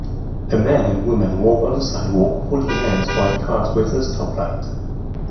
A man and woman walk on the sidewalk holding hands while cars wait at a stoplight